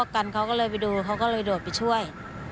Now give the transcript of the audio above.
ใครโดดไปช่วย